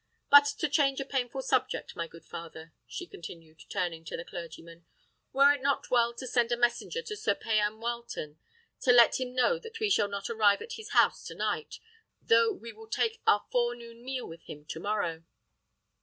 But to change a painful subject, my good father," she continued, turning to the clergyman, "were it not well to send a messenger to Sir Payan Wileton, to let him know that we shall not arrive at his house to night, though we will take our forenoon meal with him to morrow?"